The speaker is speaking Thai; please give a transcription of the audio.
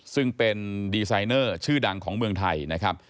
ซึ่งเป็นดีไซเนอร์ชื่อดังของเมืองไทยนะครับ